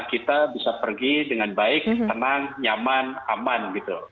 kita bisa pergi dengan baik tenang nyaman aman gitu